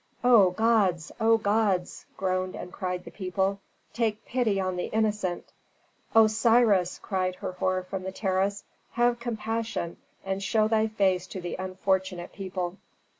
"O gods! O gods!" groaned and cried the people, "take pity on the innocent." "Osiris!" cried Herhor from the terrace, "have compassion and show thy face to the unfortunate people."